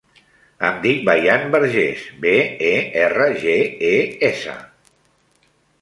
Em dic Bayan Berges: be, e, erra, ge, e, essa.